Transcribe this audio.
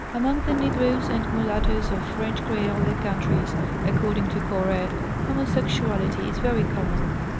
Among the negroes and mulattoes of French creole countries, according to Corre, homosexuality is very common.